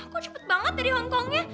kok cepet banget dari hongkongnya